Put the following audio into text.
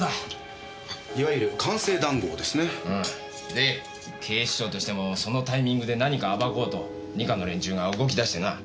で警視庁としてもそのタイミングで何か暴こうと二課の連中が動き出してな。